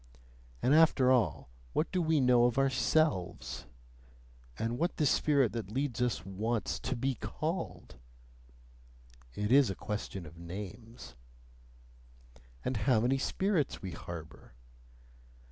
And after all, what do we know of ourselves? And what the spirit that leads us wants TO BE CALLED? (It is a question of names.) And how many spirits we harbour?